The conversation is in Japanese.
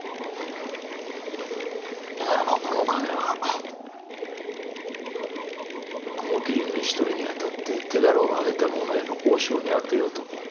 ならばこの金は雲霧召し捕りにあたって手柄をあげた者への褒賞に充てようと思う。